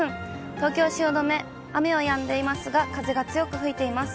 東京・汐留、雨はやんでいますが、風が強く吹いています。